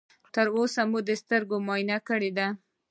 تر اوسه مو د سترګو معاینه کړې ده؟